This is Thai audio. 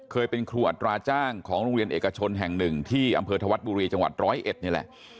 เคยเป็นครูอัตราจ้างของโรงเรียนเอกชนแห่งหนึ่งที่อำเภอธวัฒน์บุรีจังหวัดร้อยเอ็ดนี่แหละ